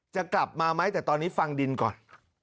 จะกลับมาไหมแต่ตอนนี้ฟังดินก่อน